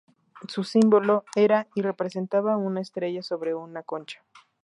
Su símbolo era y representaba una estrella sobre una concha.